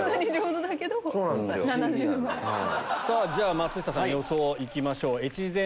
松下さん予想行きましょう。